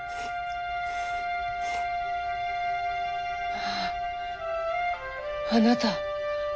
まああなた。